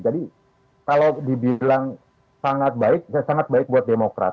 jadi kalau dibilang sangat baik sangat baik buat demokrat